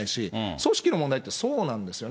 組織の問題ってそうなんですよね。